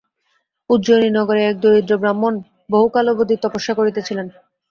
উজ্জয়িনী নগরে এক দরিদ্র ব্রাহ্মণ বহুকালাবধি তপস্যা করিতেছিলেন।